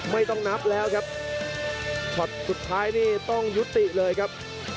ไม่ต้องนับแล้วครับช็อตสุดท้ายนี่ต้องยุติเลยครับ